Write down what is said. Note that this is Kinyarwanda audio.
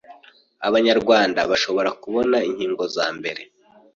Abanyarwanda bashobora kubona inkingo za mbere